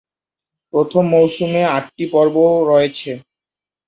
প্রথম মৌসুমে আটটি পর্ব রয়েছে।